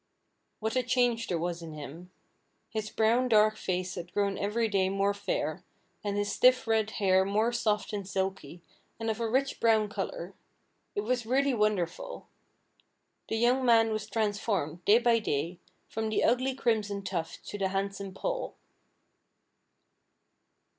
What a change there was in him. His brown, dark face had grown every day more fair, and his stiff red hair more soft and silky, and of a rich brown color. It was really wonderful. The young man was transformed, day by day, from the ugly Crimson Tuft to the handsome Paul.